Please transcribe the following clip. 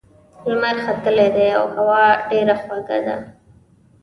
لمر ختلی دی او هوا ډېره خوږه ده.